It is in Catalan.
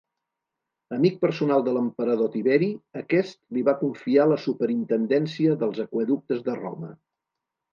Amic personal de l'emperador Tiberi aquest li va confiar la superintendència dels aqüeductes de Roma.